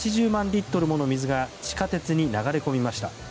リットルもの水が地下鉄に流れ込みました。